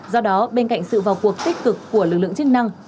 do đó bên cạnh sự vào cuộc tích cực của lực lượng chức năng